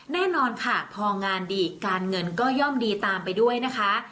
แน่นอนค่ะพองานดีการเงินก็ย่อมดีตามไปด้วยนะคะ